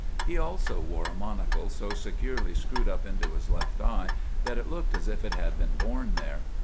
He also wore a monocle so securely screwed into his left eye that it looked as if it had been born there.